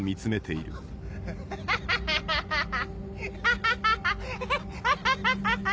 ハハハハ！